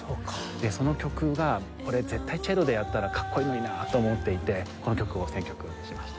でその曲がこれ絶対チェロでやったらかっこいいのになと思っていてこの曲を選曲しました。